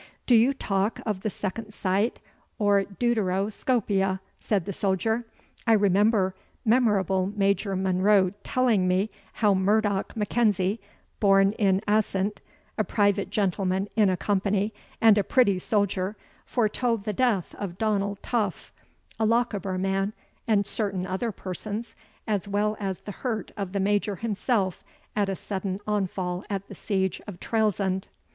"Do you talk of the second sight, or DEUTERO SCOPIA?" said the soldier; "I remember memorable Major Munro telling me how Murdoch Mackenzie, born in Assint, a private gentleman in a company, and a pretty soldier, foretold the death of Donald Tough, a Lochaber man, and certain other persons, as well as the hurt of the major himself at a sudden onfall at the siege of Trailsund."